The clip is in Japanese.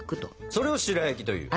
それを白焼きというの？